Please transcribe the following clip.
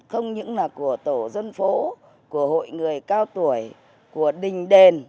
không những là của tổ dân phố của hội người cao tuổi của đình đền